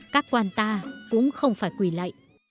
các quan ta cũng không phải quỳ lệ